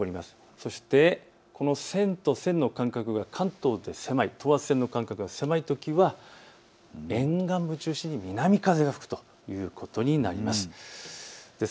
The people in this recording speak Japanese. そしてこの線と線の間隔が関東で狭い、狭いときは沿岸部を中心に南風が吹くということになります。